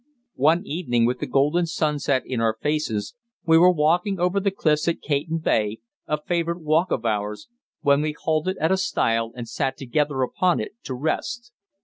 One evening, with the golden sunset in our faces, we were walking over the cliffs to Cayton Bay, a favourite walk of ours, when we halted at a stile, and sat together upon it to rest.